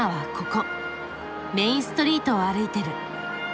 メインストリートを歩いてる。